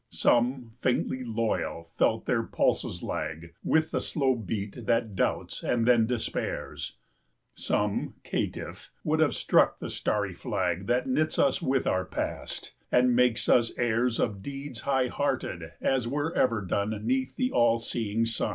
30 Some, faintly loyal, felt their pulses lag With the slow beat that doubts and then despairs; Some, caitiff, would have struck the starry flag That knits us with our past, and makes us heirs Of deeds high hearted as were ever done 35 'Neath the all seeing sun.